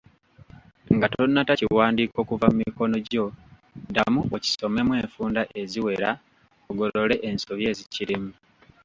Nga tonnata kiwandiiko kuva mu mikono gyo ddamu okisomemu enfunda eziwera ogolole ensobi ezikirimu.